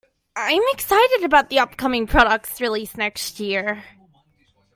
I am excited about upcoming products released next year.